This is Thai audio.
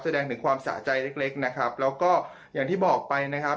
แสดงถึงความสะใจเล็กเล็กนะครับแล้วก็อย่างที่บอกไปนะครับ